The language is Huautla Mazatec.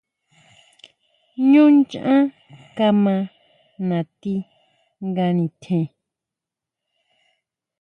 Ñú nchán kama nati nga nitjen.